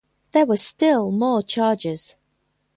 There were still more charges.